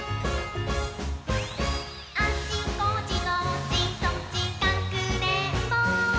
「あっちこっちどっちそっちかくれんぼう」